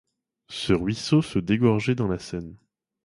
Ce ruisseau se dégorgeait dans la Seine.